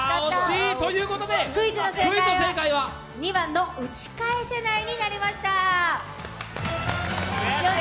クイズの正解は２番の打ち返せないになりました。